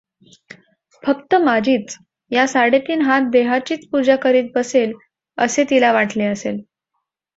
फक्त माझीच, या साडेतीन हात देहाचीच पूजा करीत बसेल, असे तिला वाटले असेल.